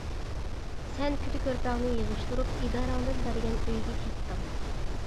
سەن كۈدە-كۆرپەڭنى يىغىشتۇرۇپ ئىدارەڭدىن بەرگەن ئۆيگە كەتتىڭ.